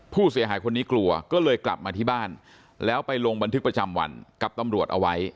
ผู้เสียหายคนนี้กลัวก็เลยกลับมาที่บ้านแล้วไปลงบันทึกประจำวันกับตำรวจเอาไว้